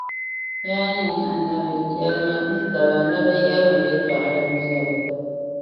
Yaa nyini Annabi! Yεlimi N daba ni bɛ yεlimi yɛltɔɣa din viεla.